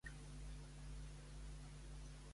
Quina creu que és la sortida més sensata?